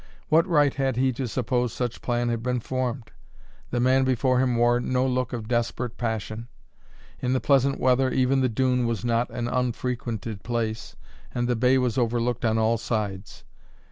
What right had he to suppose such plan had been formed? The man before him wore no look of desperate passion. In the pleasant weather even the dune was not an unfrequented place, and the bay was overlooked on all sides.